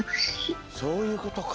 そういうことか。